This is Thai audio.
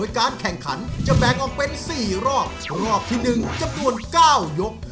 การแข่งขันจะแบ่งออกเป็นสี่รอบรอบที่หนึ่งจำนวนเก้ายก